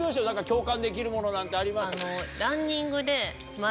共感できるものなんてあります？